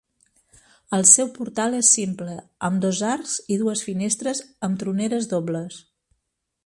El seu portal és simple, amb dos arcs i dues finestres amb troneres dobles.